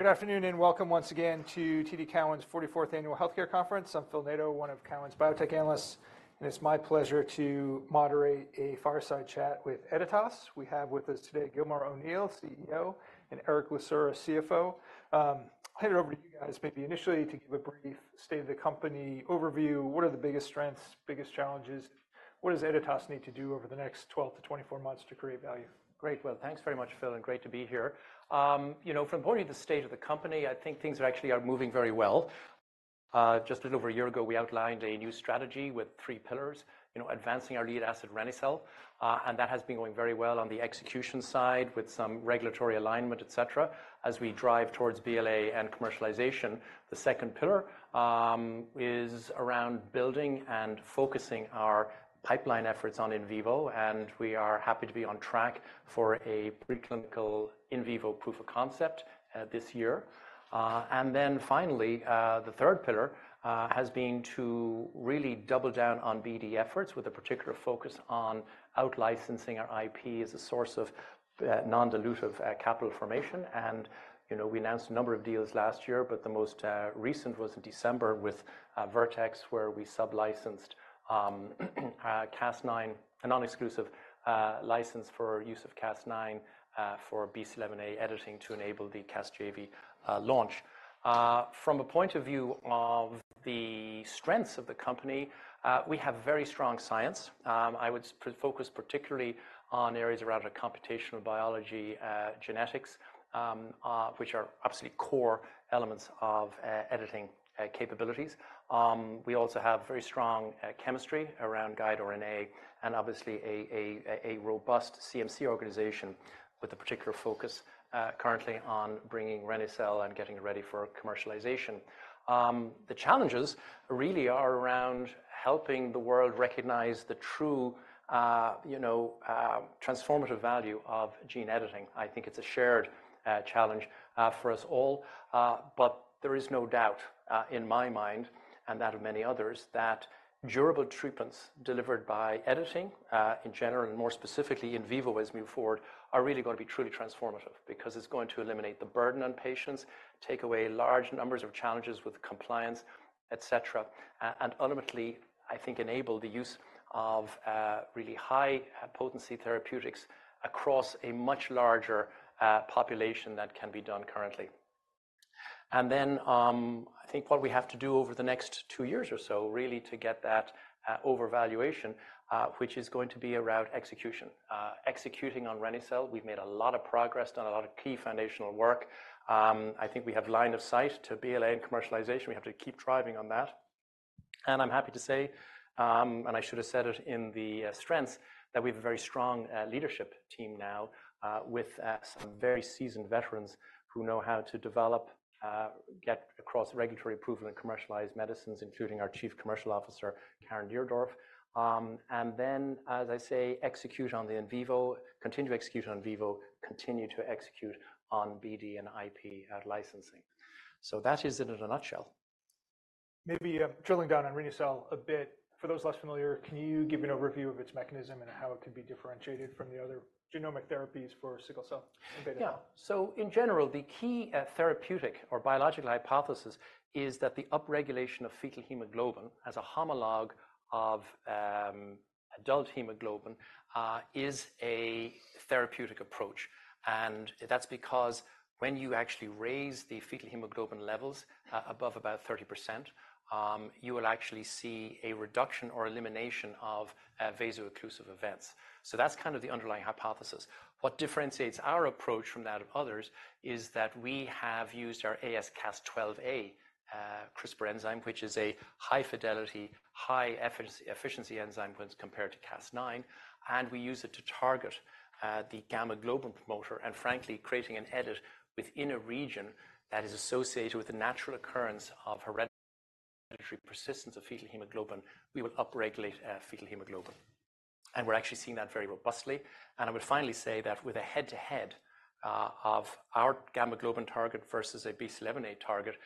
Good afternoon and welcome once again to TD Cowen's 44th Annual Healthcare Conference. I'm Phil Nadeau, one of Cowen's biotech analysts, and it's my pleasure to moderate a fireside chat with Editas. We have with us today Gilmore O'Neill, CEO, and Erick Lucera, CFO. I'll hand it over to you guys, maybe initially, to give a brief state-of-the-company overview. What are the biggest strengths, biggest challenges? What does Editas need to do over the next 12 to 24 months to create value? Great, Well. Thanks very much, Phil, and great to be here. From the point of view of the state of the company, I think things actually are moving very well. Just a little over a year ago, we outlined a new strategy with three pillars: advancing our lead asset, reni-cel, and that has been going very well on the execution side with some regulatory alignment, etc. As we drive towards BLA and commercialization, the second pillar is around building and focusing our pipeline efforts on in vivo, and we are happy to be on track for a preclinical in vivo proof of concept this year. And then finally, the third pillar has been to really double down on BD efforts with a particular focus on outlicensing our IP as a source of non-dilutive capital formation. We announced a number of deals last year, but the most recent was in December with Vertex, where we sublicensed a non-exclusive license for use of Cas9 for BCL11A editing to enable the Casgevy launch. From a point of view of the strengths of the company, we have very strong science. I would focus particularly on areas around computational biology, genetics, which are absolutely core elements of editing capabilities. We also have very strong chemistry around guide RNA and obviously a robust CMC organization with a particular focus currently on bringing reni-cel and getting it ready for commercialization. The challenges really are around helping the world recognize the true transformative value of gene editing. I think it's a shared challenge for us all. There is no doubt, in my mind and that of many others, that durable treatments delivered by editing in general and more specifically in vivo as we move forward are really going to be truly transformative because it's going to eliminate the burden on patients, take away large numbers of challenges with compliance, etc., and ultimately, I think, enable the use of really high-potency therapeutics across a much larger population than can be done currently. And then I think what we have to do over the next two years or so really to get that overvaluation, which is going to be around execution. Executing on reni-cel, we've made a lot of progress, done a lot of key foundational work. I think we have line of sight to BLA and commercialization. We have to keep driving on that. And I'm happy to say, and I should have said it in the strengths, that we have a very strong leadership team now with some very seasoned veterans who know how to develop, get across regulatory approval, and commercialize medicines, including our Chief Commercial Officer, Caren Deardorf. And then, as I say, execute on the in vivo, continue execute on in vivo, continue to execute on BD and IP licensing. So that is it in a nutshell. Maybe drilling down on reni-cel a bit. For those less familiar, can you give an overview of its mechanism and how it can be differentiated from the other genomic therapies for sickle cell and beta thalassemia? Yeah. So in general, the key therapeutic or biological hypothesis is that the upregulation of fetal hemoglobin as a homologue of adult hemoglobin is a therapeutic approach. That's because when you actually raise the fetal hemoglobin levels above about 30%, you will actually see a reduction or elimination of vasoocclusive events. So that's kind of the underlying hypothesis. What differentiates our approach from that of others is that we have used our AsCas12a CRISPR enzyme, which is a high-fidelity, high-efficiency enzyme when compared to Cas9, and we use it to target the gamma globin promoter. Frankly, creating an edit within a region that is associated with the natural occurrence of hereditary persistence of fetal hemoglobin, we will upregulate fetal hemoglobin. We're actually seeing that very robustly. I would finally say that with a head-to-head of our gamma globin target versus a BCL11A target,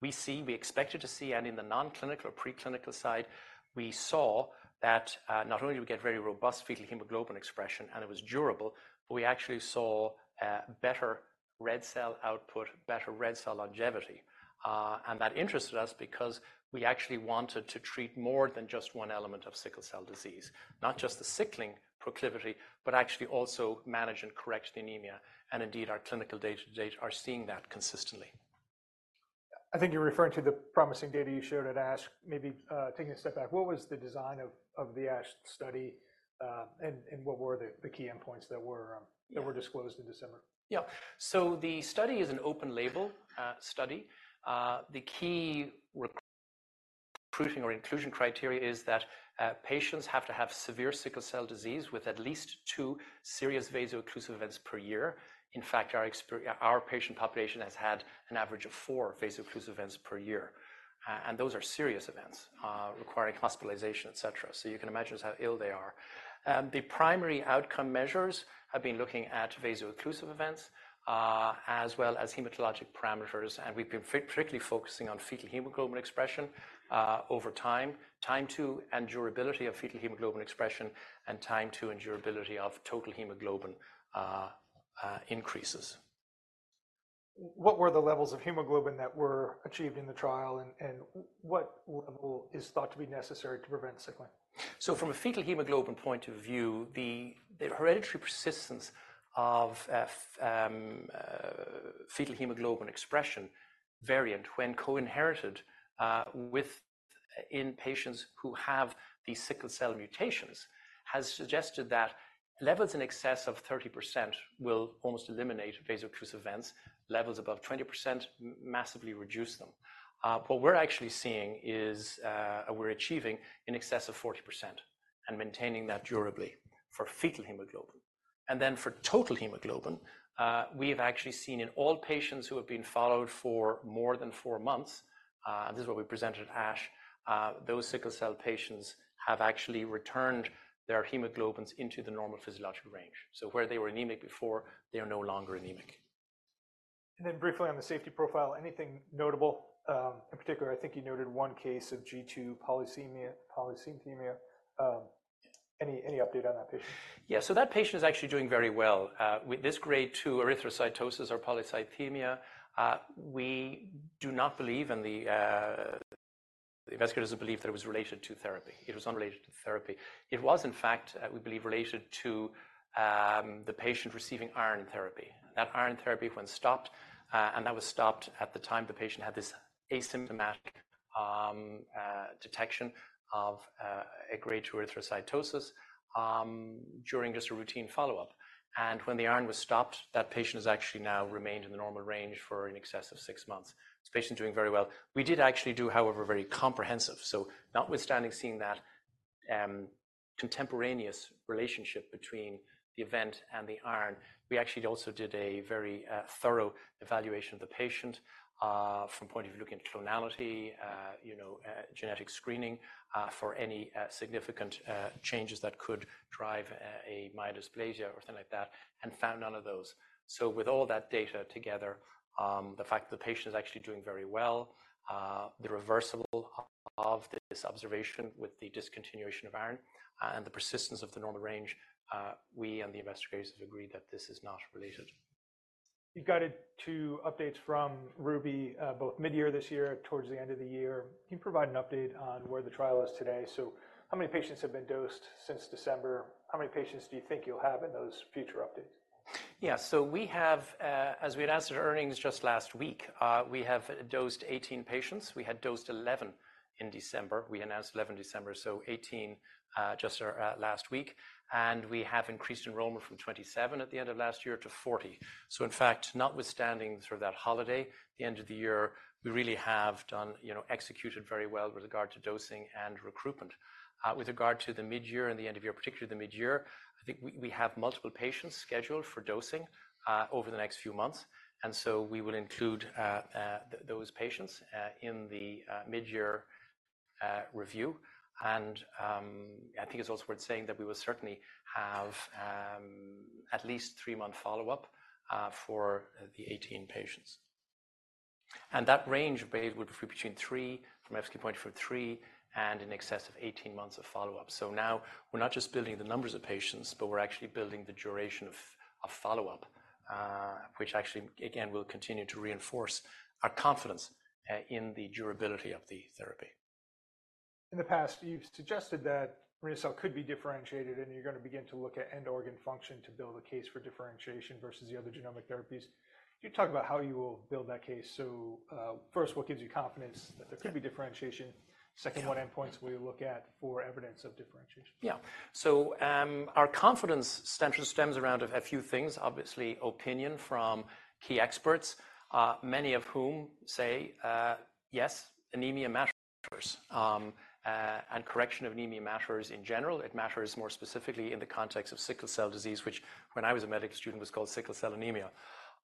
we see we expected to see, and in the non-clinical or preclinical side, we saw that not only do we get very robust fetal hemoglobin expression and it was durable, but we actually saw better red cell output, better red cell longevity. That interested us because we actually wanted to treat more than just one element of sickle cell disease, not just the sickling proclivity, but actually also manage and correct anemia. Indeed, our clinical data to date are seeing that consistently. I think you're referring to the promising data you showed at ASH. Maybe taking a step back, what was the design of the ASH study, and what were the key endpoints that were disclosed in December? Yeah. So the study is an open-label study. The key recruiting or inclusion criteria is that patients have to have severe sickle cell disease with at least 2 serious vasoocclusive events per year. In fact, our patient population has had an average of 4 vasoocclusive events per year. And those are serious events requiring hospitalization, etc. So you can imagine just how ill they are. The primary outcome measures have been looking at vasoocclusive events as well as hematologic parameters. And we've been particularly focusing on fetal hemoglobin expression over time, time to and durability of fetal hemoglobin expression, and time to and durability of total hemoglobin increases. What were the levels of hemoglobin that were achieved in the trial, and what level is thought to be necessary to prevent sickling? So from a fetal hemoglobin point of view, the hereditary persistence of fetal hemoglobin expression variant when coinherited in patients who have these sickle cell mutations has suggested that levels in excess of 30% will almost eliminate vasoocclusive events. Levels above 20% massively reduce them. What we're actually seeing is we're achieving in excess of 40% and maintaining that durably for fetal hemoglobin. And then for total hemoglobin, we have actually seen in all patients who have been followed for more than 4 months and this is what we presented at ASH those sickle cell patients have actually returned their hemoglobins into the normal physiological range. So where they were anemic before, they are no longer anemic. And then briefly on the safety profile, anything notable? In particular, I think you noted one case of G2 polycythemia. Any update on that patient? Yeah. So that patient is actually doing very well. With this grade 2 erythrocytosis or polycythemia, we do not believe, and the investigator doesn't believe, that it was related to therapy. It was unrelated to therapy. It was, in fact, we believe, related to the patient receiving iron therapy. That iron therapy when stopped, and that was stopped at the time the patient had this asymptomatic detection of a grade 2 erythrocytosis during just a routine follow-up. And when the iron was stopped, that patient has actually now remained in the normal range for in excess of six months. This patient is doing very well. We did actually do, however, very comprehensive. So notwithstanding seeing that contemporaneous relationship between the event and the iron, we actually also did a very thorough evaluation of the patient from the point of view looking at clonality, genetic screening for any significant changes that could drive a myelodysplasia or something like that, and found none of those. So with all that data together, the fact that the patient is actually doing very well, the reversibility of this observation with the discontinuation of iron and the persistence of the normal range, we and the investigators have agreed that this is not related. You've got two updates from RUBY, both mid-year this year towards the end of the year. Can you provide an update on where the trial is today? So how many patients have been dosed since December? How many patients do you think you'll have in those future updates? Yeah. So as we announced our earnings just last week, we have dosed 18 patients. We had dosed 11 in December. We announced 11 in December, so 18 just last week. We have increased enrollment from 27 at the end of last year to 40. So in fact, notwithstanding sort of that holiday, the end of the year, we really have executed very well with regard to dosing and recruitment. With regard to the mid-year and the end of year, particularly the mid-year, I think we have multiple patients scheduled for dosing over the next few months. So we will include those patients in the mid-year review. I think it's also worth saying that we will certainly have at least 3-month follow-up for the 18 patients. That range would be between 3 from FCQ point of view of 3 and in excess of 18 months of follow-up. So now we're not just building the numbers of patients, but we're actually building the duration of follow-up, which actually, again, will continue to reinforce our confidence in the durability of the therapy. In the past, you've suggested that reni-cel could be differentiated, and you're going to begin to look at end-organ function to build a case for differentiation versus the other genomic therapies. Can you talk about how you will build that case? So first, what gives you confidence that there could be differentiation? Second, what endpoints will you look at for evidence of differentiation? Yeah. So our confidence stems around a few things, obviously opinion from key experts, many of whom say, yes, anemia matters. Correction of anemia matters in general. It matters more specifically in the context of sickle cell disease, which when I was a medical student was called sickle cell anemia.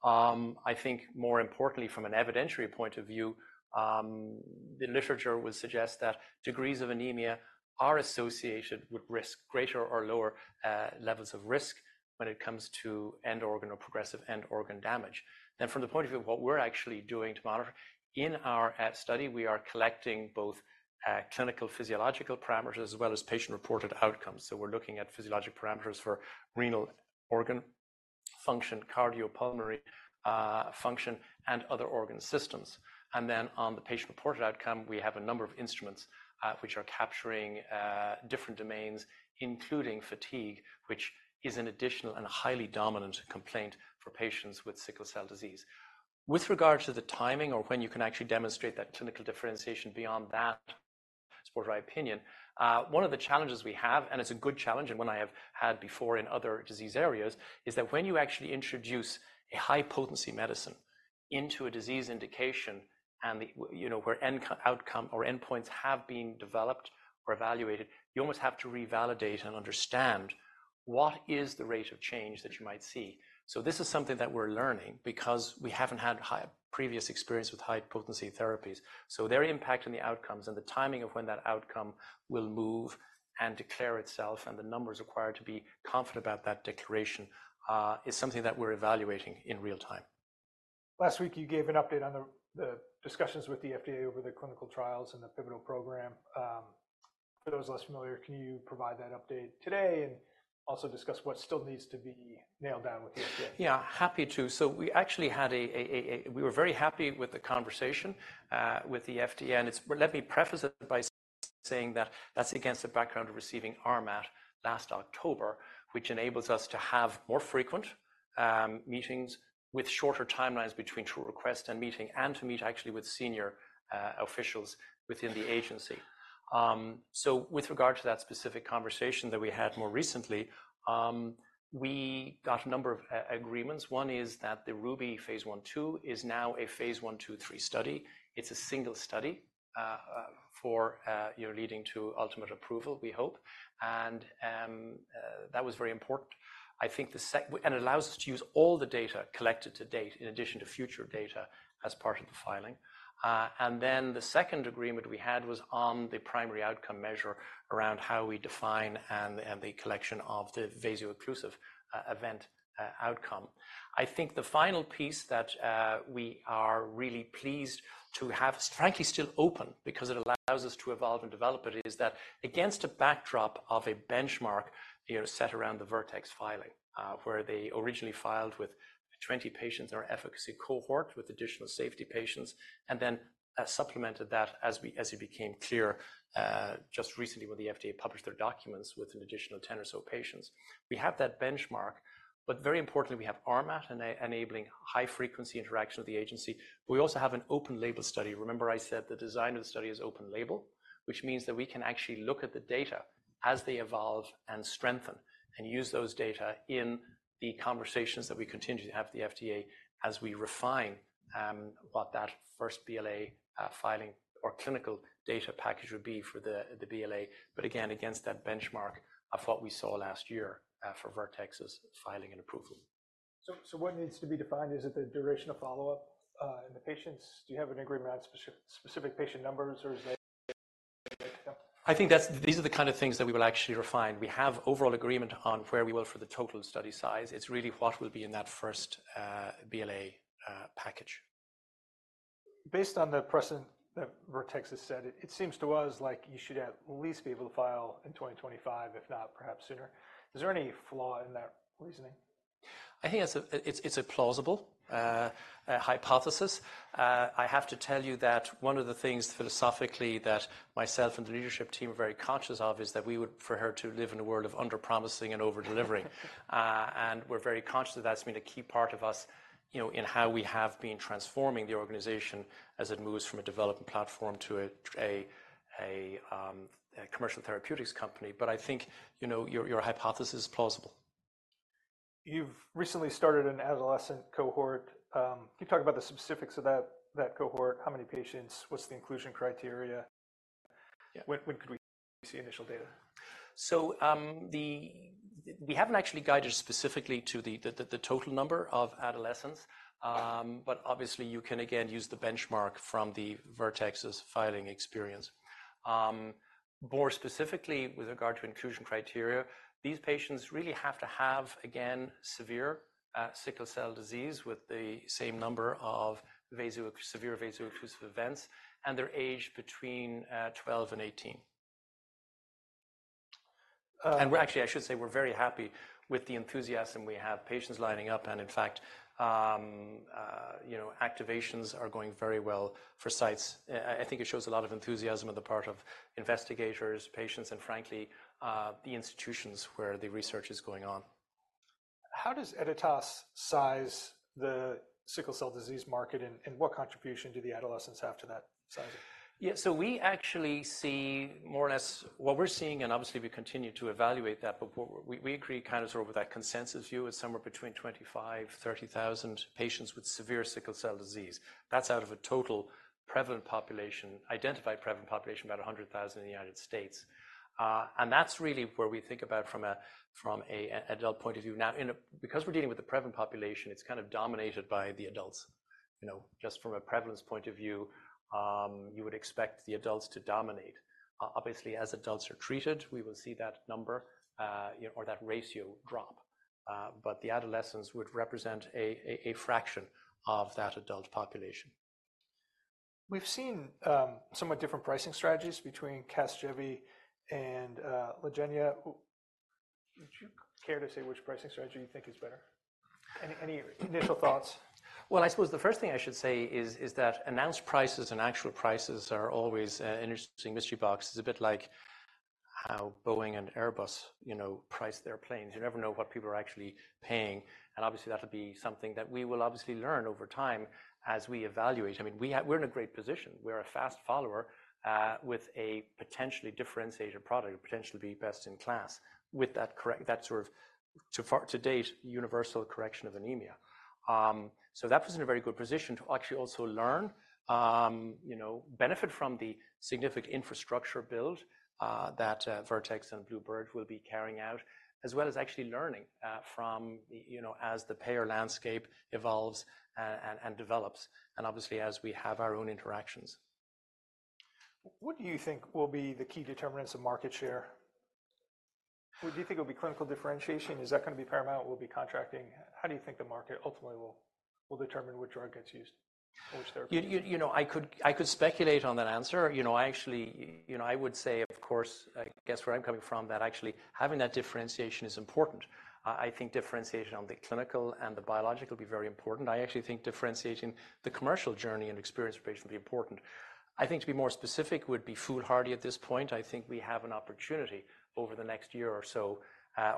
I think more importantly, from an evidentiary point of view, the literature would suggest that degrees of anemia are associated with greater or lower levels of risk when it comes to end-organ or progressive end-organ damage. From the point of view of what we're actually doing to monitor, in our study, we are collecting both clinical physiological parameters as well as patient-reported outcomes. We're looking at physiologic parameters for renal organ function, cardiopulmonary function, and other organ systems. And then on the patient-reported outcome, we have a number of instruments which are capturing different domains, including fatigue, which is an additional and highly dominant complaint for patients with sickle cell disease. With regard to the timing or when you can actually demonstrate that clinical differentiation beyond that, as per my opinion, one of the challenges we have and it's a good challenge and one I have had before in other disease areas is that when you actually introduce a high-potency medicine into a disease indication where endpoints have been developed or evaluated, you almost have to revalidate and understand what is the rate of change that you might see. So this is something that we're learning because we haven't had previous experience with high-potency therapies. So their impact on the outcomes and the timing of when that outcome will move and declare itself and the numbers required to be confident about that declaration is something that we're evaluating in real time. Last week, you gave an update on the discussions with the FDA over the clinical trials and the pivotal program. For those less familiar, can you provide that update today and also discuss what still needs to be nailed down with the FDA? Yeah. Happy to. So we actually had we were very happy with the conversation with the FDA. And let me preface it by saying that that's against the background of receiving RMAT last October, which enables us to have more frequent meetings with shorter timelines between true request and meeting and to meet actually with senior officials within the agency. So with regard to that specific conversation that we had more recently, we got a number of agreements. One is that the RUBY phase 1/2 is now a phase 1/2/3 study. It's a single study leading to ultimate approval, we hope. And that was very important. I think the second and it allows us to use all the data collected to date in addition to future data as part of the filing. And then the second agreement we had was on the primary outcome measure around how we define and the collection of the vasoocclusive event outcome. I think the final piece that we are really pleased to have, frankly, still open because it allows us to evolve and develop it, is that against a backdrop of a benchmark set around the Vertex filing, where they originally filed with 20 patients in our efficacy cohort with additional safety patients and then supplemented that as it became clear just recently when the FDA published their documents with an additional 10 or so patients, we have that benchmark. But very importantly, we have RMAT enabling high-frequency interaction with the agency. But we also have an open-label study. Remember I said the design of the study is open-label, which means that we can actually look at the data as they evolve and strengthen and use those data in the conversations that we continue to have with the FDA as we refine what that first BLA filing or clinical data package would be for the BLA, but again, against that benchmark of what we saw last year for Vertex's filing and approval. So what needs to be defined is it the duration of follow-up and the patients? Do you have an agreement on specific patient numbers, or is that? I think these are the kind of things that we will actually refine. We have overall agreement on where we will for the total study size. It's really what will be in that first BLA package. Based on the precedent that Vertex has said, it seems to us like you should at least be able to file in 2025, if not perhaps sooner. Is there any flaw in that reasoning? I think it's a plausible hypothesis. I have to tell you that one of the things philosophically that myself and the leadership team are very conscious of is that we would prefer to live in a world of under-promising and over-delivering. We're very conscious that that's been a key part of us in how we have been transforming the organization as it moves from a development platform to a commercial therapeutics company. But I think your hypothesis is plausible. You've recently started an adolescent cohort. Can you talk about the specifics of that cohort? How many patients? What's the inclusion criteria? When could we see initial data? So we haven't actually guided specifically to the total number of adolescents. But obviously, you can, again, use the benchmark from the Vertex's filing experience. More specifically, with regard to inclusion criteria, these patients really have to have, again, severe sickle cell disease with the same number of severe vasoocclusive events and they're aged between 12 and 18. Actually, I should say we're very happy with the enthusiasm. We have patients lining up. In fact, activations are going very well for sites. I think it shows a lot of enthusiasm on the part of investigators, patients, and frankly, the institutions where the research is going on. How does Editas size the sickle cell disease market, and what contribution do the adolescents have to that sizing? Yeah. So we actually see more or less what we're seeing and obviously, we continue to evaluate that. But we agree kind of sort of with that consensus view is somewhere between 25,000-30,000 patients with severe sickle cell disease. That's out of a total prevalent population, identified prevalent population about 100,000 in the United States. And that's really where we think about from an adult point of view. Now, because we're dealing with the prevalent population, it's kind of dominated by the adults. Just from a prevalence point of view, you would expect the adults to dominate. Obviously, as adults are treated, we will see that number or that ratio drop. But the adolescents would represent a fraction of that adult population. We've seen somewhat different pricing strategies between Casgevy and LYFGENIA. Would you care to say which pricing strategy you think is better? Any initial thoughts? Well, I suppose the first thing I should say is that announced prices and actual prices are always an interesting mystery box. It's a bit like how Boeing and Airbus price their planes. You never know what people are actually paying. And obviously, that'll be something that we will obviously learn over time as we evaluate. I mean, we're in a great position. We're a fast follower with a potentially differentiated product that potentially would be best in class with that sort of, to date, universal correction of anemia. So that puts us in a very good position to actually also learn, benefit from the significant infrastructure build that Vertex and Bluebird will be carrying out, as well as actually learning as the payer landscape evolves and develops, and obviously, as we have our own interactions. What do you think will be the key determinants of market share? Do you think it will be clinical differentiation? Is that going to be paramount? Will it be contracting? How do you think the market ultimately will determine which drug gets used and which therapy? I could speculate on that answer. I would say, of course, guess where I'm coming from, that actually having that differentiation is important. I think differentiation on the clinical and the biological will be very important. I actually think differentiating the commercial journey and experience for patients will be important. I think to be more specific would be foolhardy at this point. I think we have an opportunity over the next year or so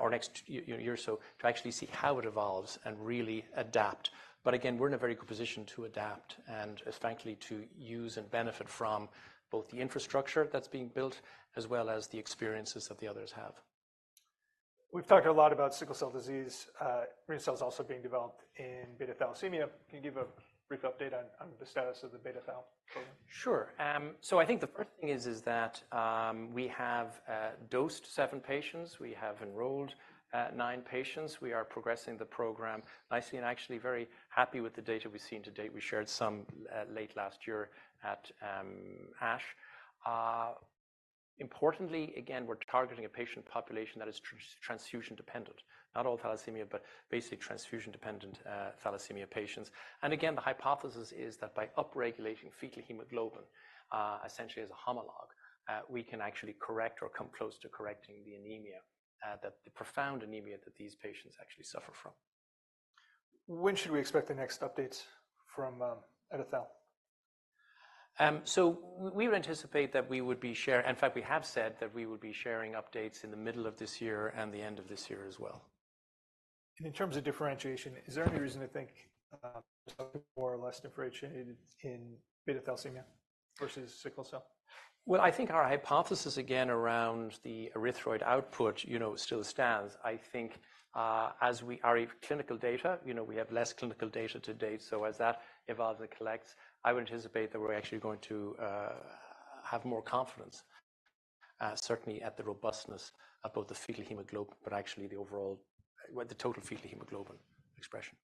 or next year or so to actually see how it evolves and really adapt. But again, we're in a very good position to adapt and, frankly, to use and benefit from both the infrastructure that's being built as well as the experiences that the others have. We've talked a lot about sickle cell disease. reni-cel is also being developed in beta thalassemia. Can you give a brief update on the status of the beta thal program? Sure. So I think the first thing is that we have dosed 7 patients. We have enrolled 9 patients. We are progressing the program nicely and actually very happy with the data we've seen to date. We shared some late last year at ASH. Importantly, again, we're targeting a patient population that is transfusion dependent, not all thalassemia, but basically transfusion-dependent thalassemia patients. And again, the hypothesis is that by upregulating fetal hemoglobin essentially as a homologue, we can actually correct or come close to correcting the anemia, the profound anemia that these patients actually suffer from. When should we expect the next updates from Editas? We anticipate that we would be sharing. In fact, we have said that we would be sharing updates in the middle of this year and the end of this year as well. In terms of differentiation, is there any reason to think there's something more or less differentiated in beta thalassemia versus sickle cell? Well, I think our hypothesis, again, around the erythroid output still stands. I think as we are in clinical data, we have less clinical data to date. So as that evolves and collects, I would anticipate that we're actually going to have more confidence, certainly at the robustness of both the Fetal hemoglobin but actually the overall the total Fetal hemoglobin expression.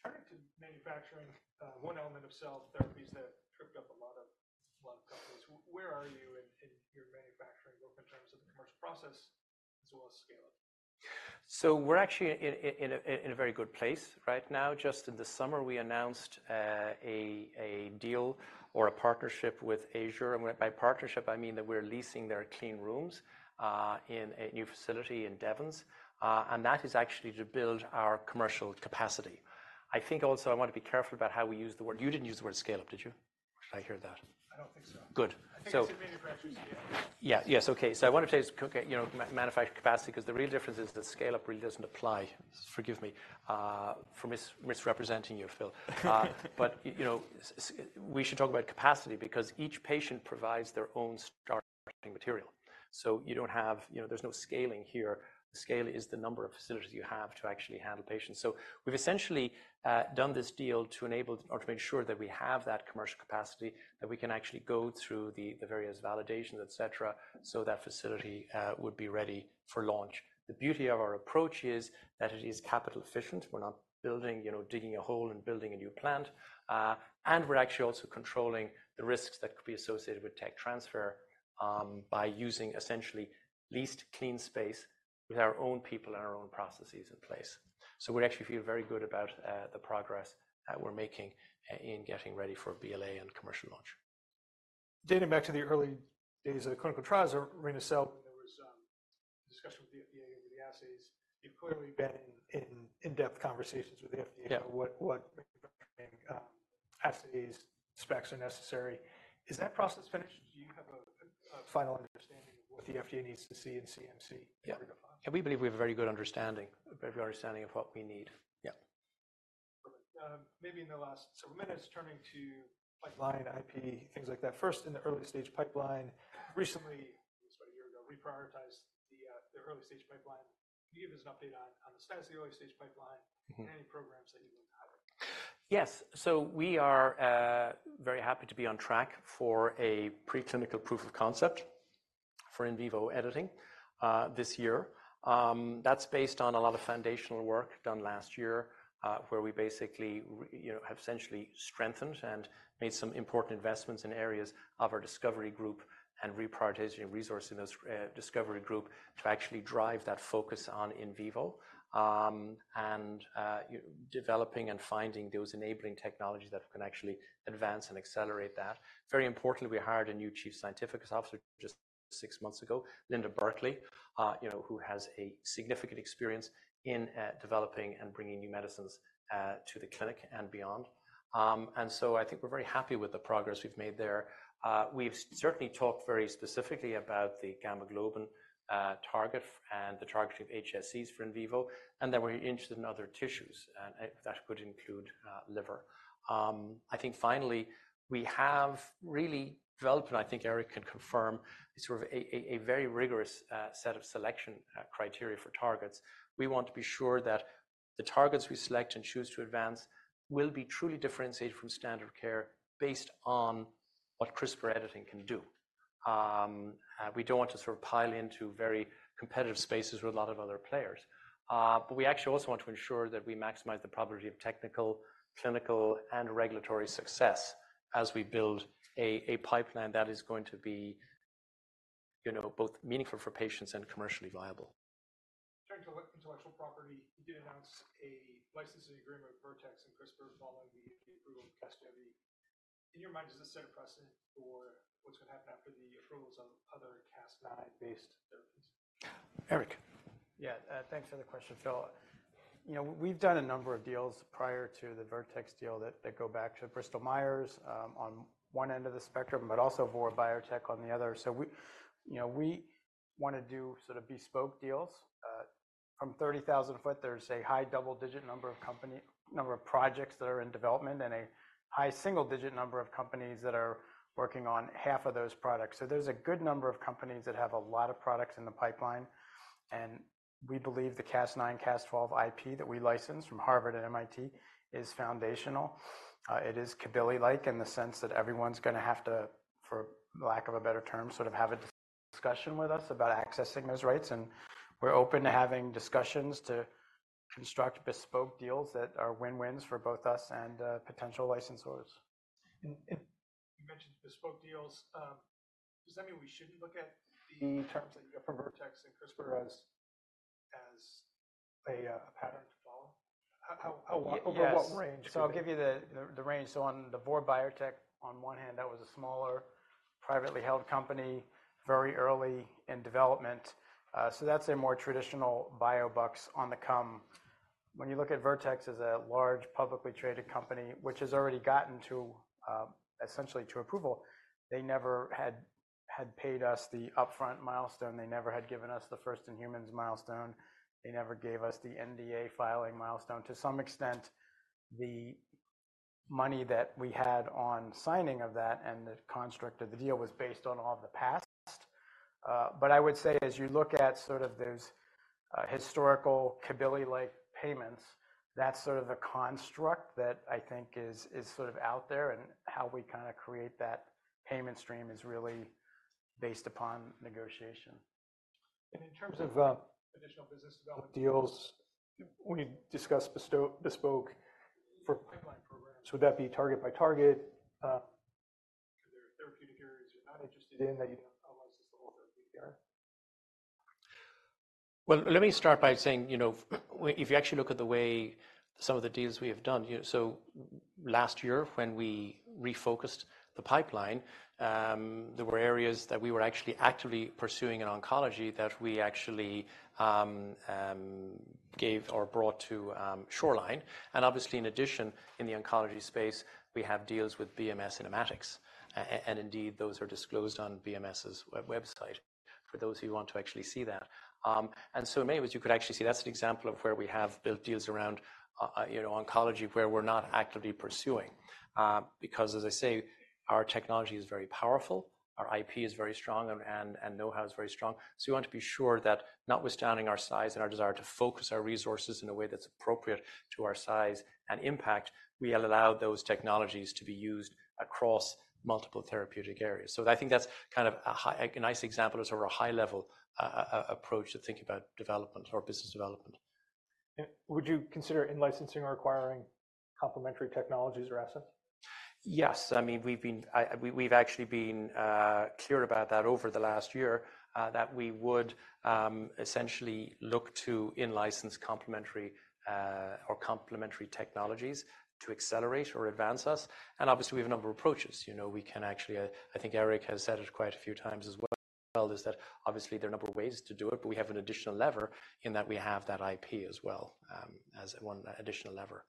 Turning to manufacturing, one element of cell therapies that tripped up a lot of companies, where are you in your manufacturing both in terms of the commercial process as well as scale-up? So we're actually in a very good place right now. Just in the summer, we announced a deal or a partnership with Azenta. And by partnership, I mean that we're leasing their clean rooms in a new facility in Devens. And that is actually to build our commercial capacity. I think also I want to be careful about how we use the word you didn't use the word scale-up, did you? I heard that. I don't think so. Good. So. I think it's in manufacturing scale. Yeah. Yes. Okay. So I want to say it's manufacturing capacity because the real difference is that scale-up really doesn't apply. Forgive me for misrepresenting you, Phil. But we should talk about capacity because each patient provides their own starting material. So you don't have. There's no scaling here. The scale is the number of facilities you have to actually handle patients. So we've essentially done this deal to enable or to make sure that we have that commercial capacity, that we can actually go through the various validations, et cetera, so that facility would be ready for launch. The beauty of our approach is that it is capital-efficient. We're not digging a hole and building a new plant. We're actually also controlling the risks that could be associated with tech transfer by using essentially leased clean space with our own people and our own processes in place. We actually feel very good about the progress that we're making in getting ready for BLA and commercial launch. Dating back to the early days of the clinical trials of reni-cel, there was a discussion with the FDA over the assays. You've clearly been in-depth conversations with the FDA about what manufacturing assays specs are necessary. Is that process finished? Do you have a final understanding of what the FDA needs to see in CMC ever going forward? Yeah. We believe we have a very good understanding, a very good understanding of what we need. Yeah. Perfect. Maybe in the last several minutes, turning to pipeline, IP, things like that. First, in the early-stage pipeline, recently, almost about a year ago, reprioritized the early-stage pipeline. Can you give us an update on the status of the early-stage pipeline and any programs that you've looked at? Yes. So we are very happy to be on track for a preclinical proof of concept for in vivo editing this year. That's based on a lot of foundational work done last year where we basically have essentially strengthened and made some important investments in areas of our discovery group and reprioritizing resources in those discovery group to actually drive that focus on in vivo and developing and finding those enabling technologies that can actually advance and accelerate that. Very importantly, we hired a new Chief Scientific Officer just six months ago, Linda Burkly, who has a significant experience in developing and bringing new medicines to the clinic and beyond. And so I think we're very happy with the progress we've made there. We've certainly talked very specifically about the gamma globin target and the targeting of HSCs for in vivo. And then we're interested in other tissues. And that could include liver. I think finally, we have really developed, and I think Eric can confirm, a sort of a very rigorous set of selection criteria for targets. We want to be sure that the targets we select and choose to advance will be truly differentiated from standard care based on what CRISPR editing can do. We don't want to sort of pile into very competitive spaces with a lot of other players. But we actually also want to ensure that we maximize the probability of technical, clinical, and regulatory success as we build a pipeline that is going to be both meaningful for patients and commercially viable. Turning to intellectual property, you did announce a licensing agreement with Vertex and CRISPR following the approval of Casgevy. In your mind, does this set a precedent for what's going to happen after the approvals of other Cas9-based therapies? Eric. Yeah. Thanks for the question, Phil. We've done a number of deals prior to the Vertex deal that go back to Bristol Myers Squibb on one end of the spectrum but also Vor Bio on the other. So we want to do sort of bespoke deals. From 30,000-foot, there's a high double-digit number of projects that are in development and a high single-digit number of companies that are working on half of those products. So there's a good number of companies that have a lot of products in the pipeline. And we believe the Cas9, Cas12 IP that we license from Harvard and MIT is foundational. It is Kabili-like in the sense that everyone's going to have to, for lack of a better term, sort of have a discussion with us about accessing those rights. We're open to having discussions to construct bespoke deals that are win-wins for both us and potential licensors. You mentioned bespoke deals. Does that mean we shouldn't look at the terms that you have for Vertex and CRISPR as a pattern to follow? Over what range? Yeah. So I'll give you the range. So on the Vor Bio, on one hand, that was a smaller privately held company very early in development. So that's a more traditional bio bucks on the come. When you look at Vertex as a large publicly traded company which has already gotten essentially to approval, they never had paid us the upfront milestone. They never had given us the first in humans milestone. They never gave us the NDA filing milestone. To some extent, the money that we had on signing of that and the construct of the deal was based on all of the past. But I would say as you look at sort of those historical Kabili-like payments, that's sort of the construct that I think is sort of out there. And how we kind of create that payment stream is really based upon negotiation. In terms of additional business development deals, when you discuss bespoke for pipeline programs, would that be target by target? Are there therapeutic areas you're not interested in that you don't analyze as the whole therapeutic area? Well, let me start by saying if you actually look at the way some of the deals we have done so last year when we refocused the pipeline, there were areas that we were actually actively pursuing in oncology that we actually gave or brought to Shoreline. And obviously, in addition, in the oncology space, we have deals with BMS, Immatics. And indeed, those are disclosed on BMS's website for those who want to actually see that. And so in many ways, you could actually see that's an example of where we have built deals around oncology where we're not actively pursuing because, as I say, our technology is very powerful. Our IP is very strong. And know-how is very strong. We want to be sure that notwithstanding our size and our desire to focus our resources in a way that's appropriate to our size and impact, we allow those technologies to be used across multiple therapeutic areas. I think that's kind of a nice example as sort of a high-level approach to think about development or business development. Would you consider in-licensing or acquiring complementary technologies or assets? Yes. I mean, we've actually been clear about that over the last year that we would essentially look to in-license complementary or complementary technologies to accelerate or advance us. And obviously, we have a number of approaches. We can actually, I think Eric has said it quite a few times as well, is that obviously, there are a number of ways to do it. But we have an additional lever in that we have that IP as well as one additional lever.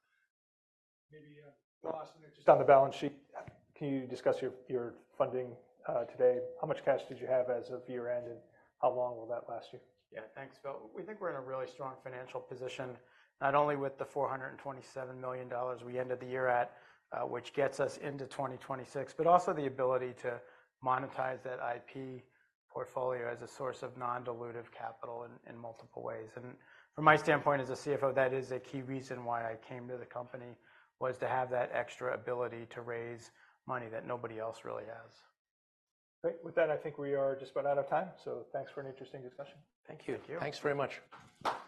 Maybe Bill Austin, just on the balance sheet, can you discuss your funding today? How much cash did you have as of year-end? And how long will that last you? Yeah. Thanks, Phil. We think we're in a really strong financial position not only with the $427 million we ended the year at which gets us into 2026 but also the ability to monetize that IP portfolio as a source of non-dilutive capital in multiple ways. And from my standpoint as a CFO, that is a key reason why I came to the company was to have that extra ability to raise money that nobody else really has. Great. With that, I think we are just about out of time. So thanks for an interesting discussion. Thank you. Thank you. Thanks very much.